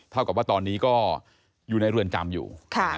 เท่ากับว่าตอนนี้ก็อยู่ในเรือนจำอยู่